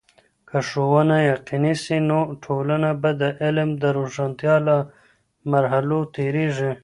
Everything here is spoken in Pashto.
که ښوونه یقيني سي، نو ټولنه به د علم د روښانتیا له مرحلو تیریږي.